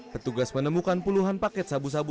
petugas menemukan puluhan paket sabu sabu